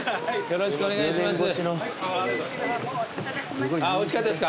よろしくお願いします。